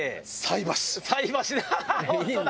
菜箸だ。